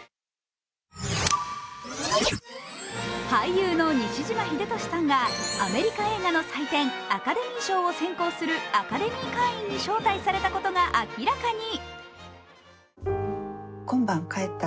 俳優の西島秀俊さんがアメリカ映画の祭典、アカデミー賞を選考するアカデミー会員に招待されたことが明らかに。